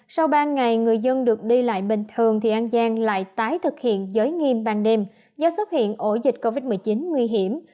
sau ba ngày người dân được đi lại bình thường thì an giang lại tái thực hiện giới nghiêm ban đêm do xuất hiện ổ dịch covid một mươi chín nguy hiểm